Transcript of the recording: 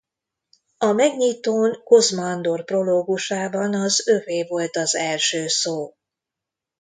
A megnyitón Kozma Andor prológusában az övé volt az első szó.